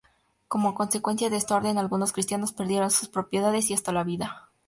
Como consecuencia de esta orden, algunos cristianos perdieron sus propiedades y hasta la vida.